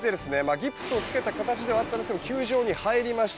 ギプスをつけた形でしたが球場に入りました。